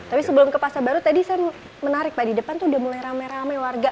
tapi sebelum ke pasar baru tadi saya menarik pak di depan tuh udah mulai rame rame warga